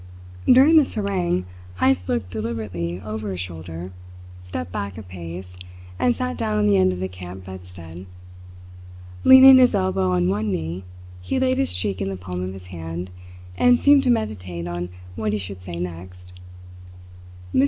During this harangue Heyst looked deliberately over his shoulder, stepped back a pace, and sat down on the end of the camp bedstead. Leaning his elbow on one knee, he laid his cheek in the palm of his hand and seemed to meditate on what he should say next. Mr.